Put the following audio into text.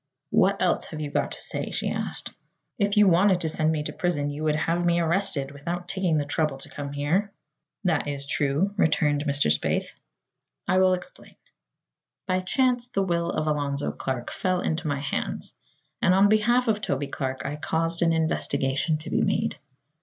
"What else have you got to say?" she asked. "If you wanted to send me to prison you would have me arrested, without taking the trouble to come here." "That is true," returned Mr. Spaythe. "I will explain. By chance the will of Alonzo Clark fell into my hands and on behalf of Toby Clark I caused an investigation to be made.